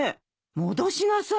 戻しなさい。